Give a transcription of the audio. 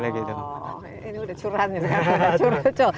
ini sudah curhan ya